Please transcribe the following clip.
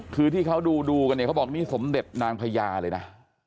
คือที่เขาดูกันเนี่ยเขาบอกนี่สมเด็จนางพญาเลยนะ